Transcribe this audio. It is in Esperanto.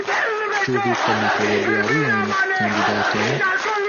Ĉu vi konas la du aliajn kandidatojn?